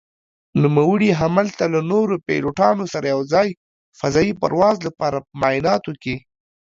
نوموړي هملته له نورو پيلوټانو سره يو ځاى فضايي پرواز لپاره په معايناتو کې